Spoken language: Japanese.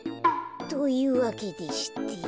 というわけでして。